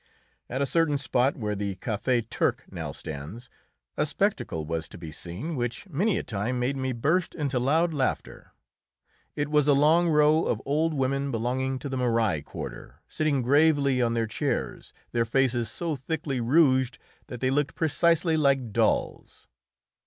At a certain spot, where the Café Turc now stands, a spectacle was to be seen which many a time made me burst into loud laughter. It was a long row of old women belonging to the Marais quarter, sitting gravely on chairs, their faces so thickly rouged that they looked precisely like dolls.